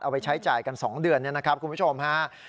เอาไว้ใช้จ่ายกัน๒เดือนนะครับคุณผู้ชมฮะ